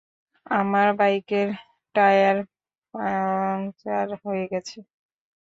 আমার বাইকের tyre puncture হয়ে গেছে।